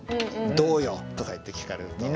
「どうよ！」とか言って聞かれると。